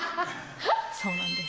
そうなんです